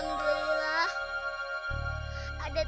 nenek bangun nek